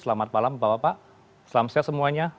selamat malam bapak bapak selamat siang semuanya